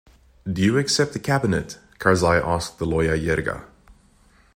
"Do you accept this Cabinet," Karzai asked the loya jirga.